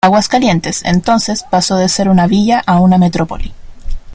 Aguascalientes, entonces, pasó de ser una villa a una metrópoli.